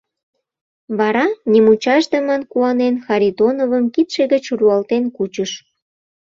Вара, нимучашдымын куанен, Харитоновым кидше гыч руалтен кучыш.